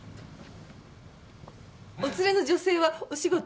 お連れの女性はお仕事？